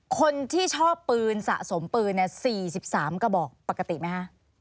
คนที่ชอบปืนสะสมปืน๔๓กระบอกปกติไหมคะ